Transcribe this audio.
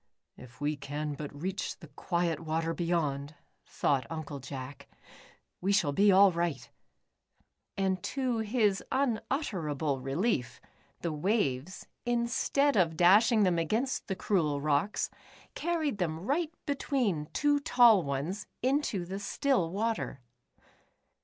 " If we can but reach the quiet water beyond," thought Uncle Jack, "we shall be all right," and to his unutterable relief, the waves, in stead of dashing them against the cruel rocks, carried them right between two tall ones, into the still water.